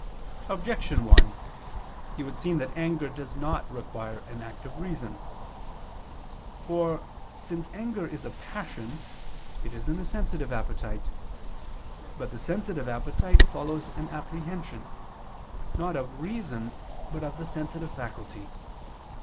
Objection 1: It would seem that anger does not require an act of reason. For, since anger is a passion, it is in the sensitive appetite. But the sensitive appetite follows an apprehension, not of reason, but of the sensitive faculty.